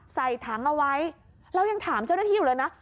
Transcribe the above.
ใส่ถังเอาไว้แล้วยังถามเจ้าหน้าที่อยู่เลยนะ